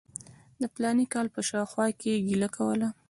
د فلاني کال په شاوخوا کې یې ګیله کوله.